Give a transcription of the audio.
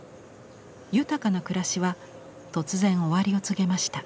豊かな暮らしは突然終わりを告げました。